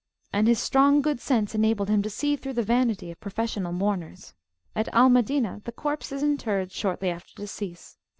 And his strong good sense enabled him to see through the vanity of professional mourners. At Al Madinah the corpse is interred shortly after decease.